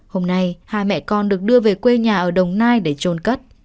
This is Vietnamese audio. hôm nay hai mẹ con được đưa về quê nhà ở đồng nai để trôn cất